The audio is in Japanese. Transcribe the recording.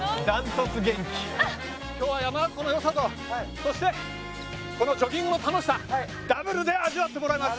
今日は山中湖の良さとそしてこのジョギングの楽しさダブルで味わってもらいます。